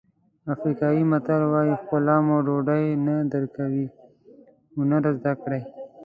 افریقایي متل وایي ښکلا مو ډوډۍ نه درکوي هنر زده کړئ.